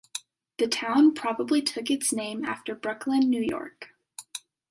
The town probably took its name after Brooklyn, New York.